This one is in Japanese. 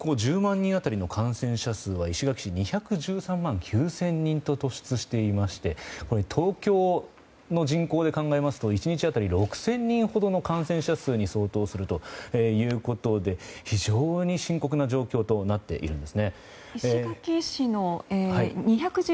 人当たりの感染者数は２１３．９人と突出しておりまして東京の人口で考えますと１日当たり６０００人ほどの感染者数に相当するということで非常に深刻な状況となっています。